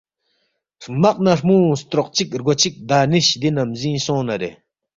ہرمق نہ ہرمو ستروق چک رگو چک دانشؔ دی نمزینگ سونگنارے